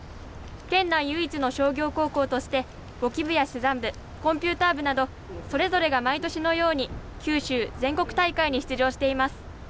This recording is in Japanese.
県内唯一の商業高校として簿記部や珠算部コンピューター部などそれぞれが毎年のように九州・全国大会に出場しています。